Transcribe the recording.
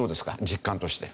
実感として。